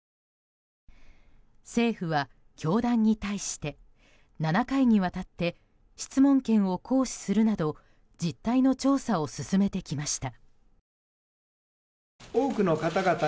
政府は教団に対して７回にわたって質問権を行使するなど実態の調査を進めてきました。